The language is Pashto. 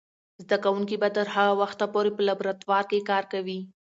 زده کوونکې به تر هغه وخته پورې په لابراتوار کې کار کوي.